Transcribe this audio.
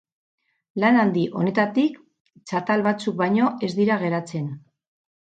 Lan handi honetatik, txatal batzuk baino ez dira geratzen.